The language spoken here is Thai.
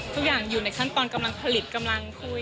ทุกอย่างอยู่ในขั้นตอนกำลังผลิตกำลังคุย